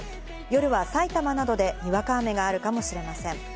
夜は埼玉などでにわか雨があるかもしれません。